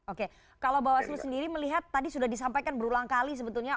oke kalau bawaslu sendiri melihat tadi sudah disampaikan berulang kali sebetulnya